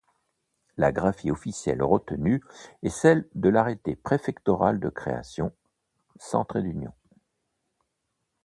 La graphie officielle retenue est celle de l'arrêté préfectoral de création, sans trait d'union.